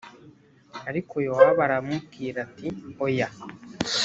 ariko yowabu aramubwira ati oya